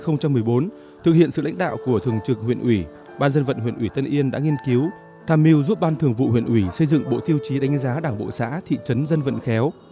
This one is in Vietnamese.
năm hai nghìn một mươi bốn thực hiện sự lãnh đạo của thường trực huyện ủy ban dân vận huyện ủy tân yên đã nghiên cứu tham mưu giúp ban thường vụ huyện ủy xây dựng bộ tiêu chí đánh giá đảng bộ xã thị trấn dân vận khéo